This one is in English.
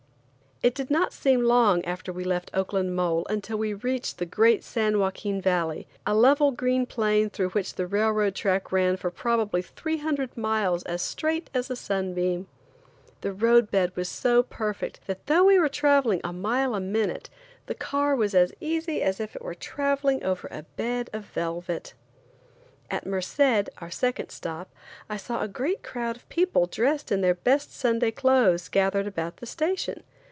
It did not seem long after we left Oakland Mole until we reached the great San Joaquin valley, a level green plain through which the railroad track ran for probably three hundred miles as straight as a sunbeam. The road bed was so perfect that though we were traveling a mile a minute the car was as easy as if it were traveling over a bed of velvet. At Merced, our second stop, I saw a great crowd of people dressed in their best Sunday clothes gathered about the station.